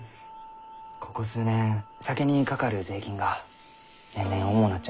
ここ数年酒にかかる税金が年々重うなっちょりまして。